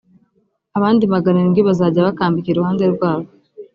abandi magana arindwi bazajya bakambika iruhande rwabo